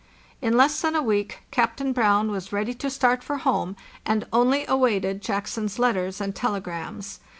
In less than a week Cap tain Brown was ready to start for home, and only awaited Jackson's letters and telegrams.